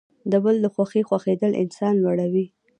د بل د خوښۍ خوښیدل انسان لوړوي.